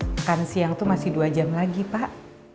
makan siang itu masih dua jam lagi pak